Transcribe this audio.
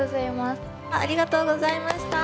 ありがとうございます。